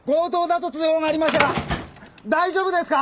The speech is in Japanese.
大丈夫ですか？